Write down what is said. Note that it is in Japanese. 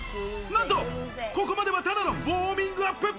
なんと、ここまではただのウオーミングアップ。